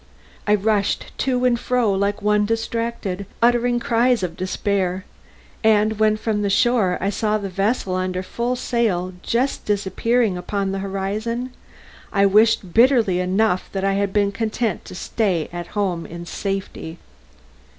I rushed to and fro like one distracted, uttering cries of despair, and when from the shore I saw the vessel under full sail just disappearing upon the horizon, I wished bitterly enough that I had been content to stay at home in safety.